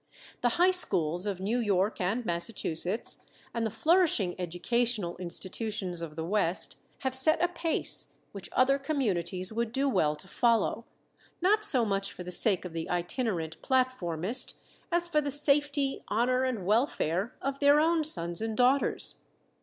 The high schools of New York and Massachusetts, and the flourishing educational institutions of the West, have set a pace which other communities would do well to follow: not so much for the sake of the itinerant platformist as for the "safety, honor, and welfare" of their own sons and daughters.